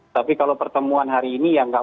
tapi kalau pertemuan hari ini ya nggak